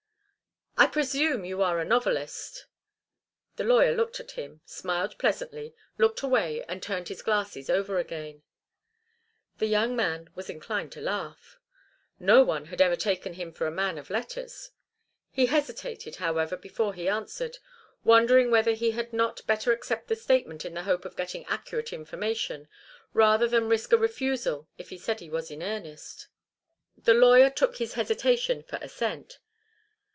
"I presume you are a novelist." The lawyer looked at him, smiled pleasantly, looked away and turned his glasses over again. The young man was inclined to laugh. No one had ever before taken him for a man of letters. He hesitated, however, before he answered, wondering whether he had not better accept the statement in the hope of getting accurate information, rather than risk a refusal if he said he was in earnest. The lawyer took his hesitation for assent.